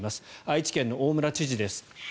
愛知県の大村知事です。